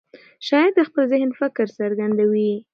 شاعر د خپل ذهن فکر څرګندوي.